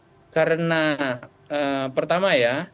nah biasanya karena pertama kalau kita lihat kita lihat